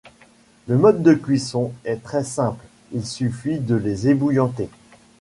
Le mode de cuisson est très simple, il suffit de les ébouillanter.